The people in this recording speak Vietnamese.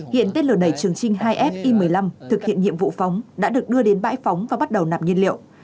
hiện tên lửa đẩy trường trinh hai f i một mươi năm thực hiện nhiệm vụ phóng đã được đưa đến bãi phóng và bắt đầu nạp nhiên liệu